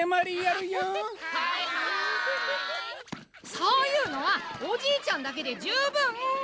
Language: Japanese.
そういうのはおじいちゃんだけでじゅうぶん！